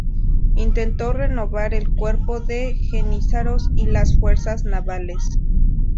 Intentó renovar el cuerpo de jenízaros y las fuerzas navales.